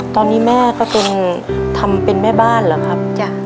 ตอนนี้แม่ก็เป็นทำเป็นแม่บ้านเหรอครับจ้ะ